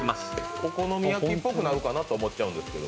お好み焼きっぽくなっちゃうかなと思うんですけど。